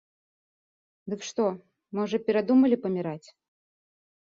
Дык што, можа, перадумалі паміраць?